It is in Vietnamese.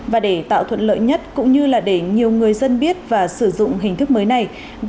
và để tạo thuận lợi nhất cũng như là để nhiều người dân biết và sử dụng hình thức mới này